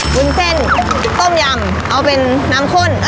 วุ้นเส้นต้มยำเอาเป็นน้ำข้น